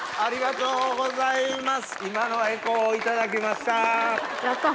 ありがとうございます。